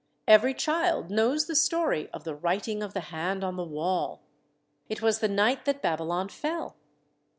Every child knows the story of "the writing of the hand on the wall." It was the night that Babylon fell.